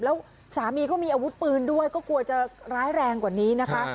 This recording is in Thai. แล้วสามีก็มีอาวุธปืนด้วยก็กลัวจะร้ายแรงกว่านี้นะคะ